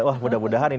wah mudah mudahan ini ya